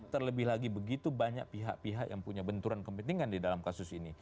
terlebih lagi begitu banyak pihak pihak yang punya benturan kepentingan di dalam kasus ini